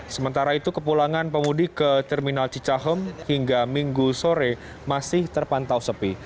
sementara itu kepulangan pemudik ke terminal cicahem hingga minggu sore masih terpantau sepi